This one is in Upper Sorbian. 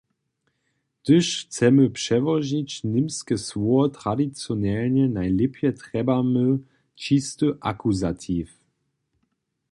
Hdyž chcemy přełožić němske słowo, tradicionelnje najlěpje trjebamy čisty akuzatiw.